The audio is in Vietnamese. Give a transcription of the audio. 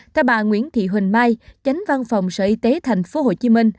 theo bà nguyễn thị huỳnh mai chánh văn phòng sở y tế tp hcm